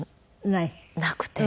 ない？なくて。